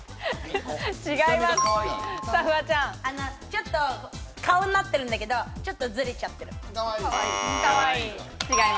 ちょっと顔になってるんだけれども、ちょっとずれちゃってる。